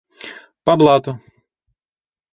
По блату.